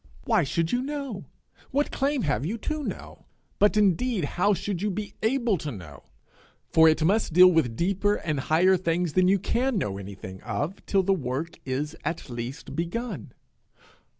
Why should you know? What claim have you to know? But indeed how should you be able to know? For it must deal with deeper and higher things than you can know anything of till the work is at least begun.